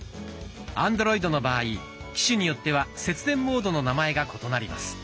アンドロイドの場合機種によっては節電モードの名前が異なります。